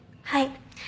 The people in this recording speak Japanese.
はい。